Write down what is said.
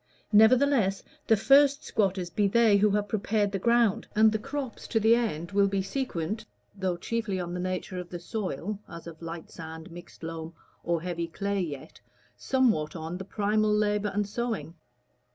Nevertheless the first squatters be they who have prepared the ground, and the crops to the end will be sequent (though chiefly on the nature of the soil, as of light sand, mixed loam, or heavy clay, yet) somewhat on the primal labor and sowing.